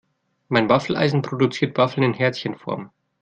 Mein Waffeleisen produziert Waffeln in Herzchenform.